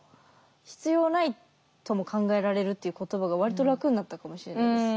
必要ないとも考えられるっていう言葉がわりと楽になったかもしれないです。